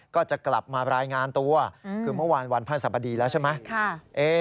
ก็จะกลับมารายงานตัวคือเมื่อวานวันพระสบดีแล้วใช่ไหม